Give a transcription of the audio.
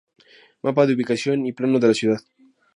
Mapa de ubicación y Plano de la ciudad